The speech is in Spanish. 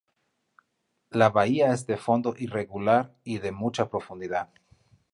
La bahía es de fondo irregular y de mucha profundidad.